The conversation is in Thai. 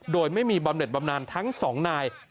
โดยไม่มีบำเน็ตบำนานทั้งสองนาย